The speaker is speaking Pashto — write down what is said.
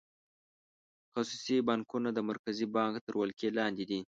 خصوصي بانکونه د مرکزي بانک تر ولکې لاندې دي.